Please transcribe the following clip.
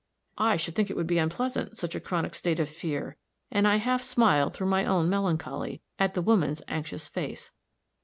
"I should think it would be unpleasant, such a chronic state of fear," and I half smiled through my own melancholy, at the woman's anxious face.